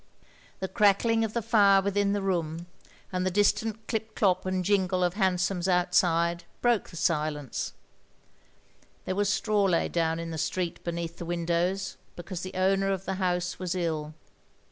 The crackling of the fire within the room, and the distant clip clop and jingle of hansoms out side, broke the silence; there was straw laid down in the street beneath the windows, because the owner of the house was ill.